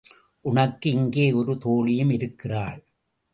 உனக்கு இங்கே ஒரு தோழியும் இருக்கிறாள்.